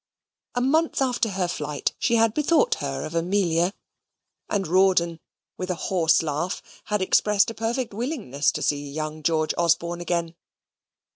A month after her flight, she had bethought her of Amelia, and Rawdon, with a horse laugh, had expressed a perfect willingness to see young George Osborne again.